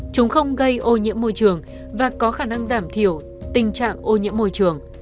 chúng không gây ô nhiễm môi trường và có khả năng giảm thiểu tình trạng ô nhiễm môi trường